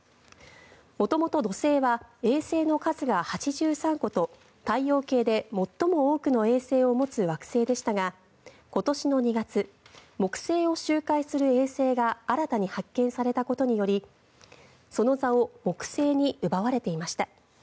元々、土星は衛星の数が８３個と太陽系で最も多くの衛星を持つ惑星でしたが今年の２月木星を周回する衛星が新たに発見されたことによりその座を木星に奪われていました。